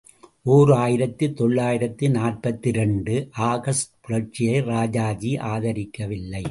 ஓர் ஆயிரத்து தொள்ளாயிரத்து நாற்பத்திரண்டு ஆகஸ்ட் புரட்சியை ராஜாஜி ஆதரிக்கவில்லை.